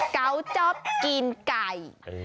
เก้าชอบกินไก่